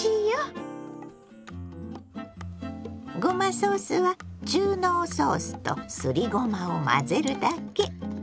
ごまソースは中濃ソースとすりごまを混ぜるだけ。